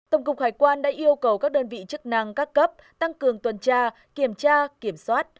tổng cục hải quan đã yêu cầu các đơn vị chức năng các cấp tăng cường tuần tra kiểm tra kiểm soát